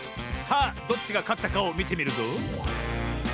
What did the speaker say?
さあどっちがかったかをみてみるぞ。